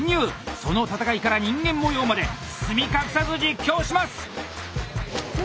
その戦いから人間模様まで包み隠さず実況します！